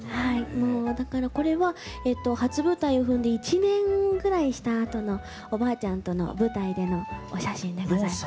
だからこれは初舞台を踏んで１年ぐらいしたあとのおばあちゃんとの舞台でのお写真でございます。